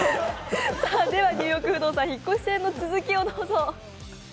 「ニューヨーク不動産・引っ越し編」の続きをどうぞ。